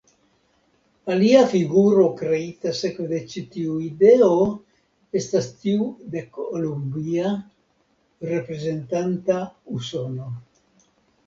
Alia figuro kreita sekve de ĉi tiu ideo estas tiu de Kolumbia reprezentanta Usonon.